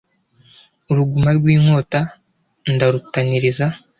Uruguma rw'inkota ndarutaniriza